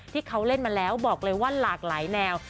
ที่เขาเล่นมาแล้วบอกเลยว่าหลากหลายแนว